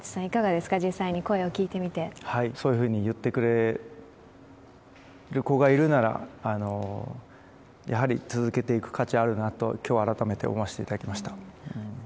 いかがですか実際に声を聞いてみてそういうふうに言ってくれる子がいるならやはり続けていく価値あるなと今日改めて思わせていただきました